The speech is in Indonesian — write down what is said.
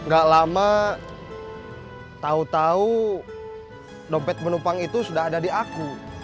gak lama tahu tahu dompet penumpang itu sudah ada di aku